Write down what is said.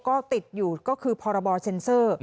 ก็ติดอยู่ก็คือพรบเซ็นเซอร์